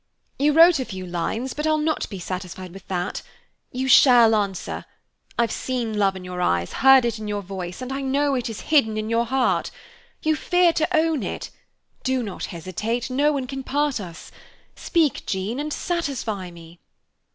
"You wrote a few lines, but I'll not be satisfied with that. You shall answer; I've seen love in your eyes, heard it in your voice, and I know it is hidden in your heart. You fear to own it; do not hesitate, no one can part us speak, Jean, and satisfy me."